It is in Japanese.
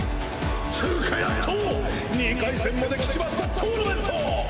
つうかやっと２回戦まで来ちまったトーナメント。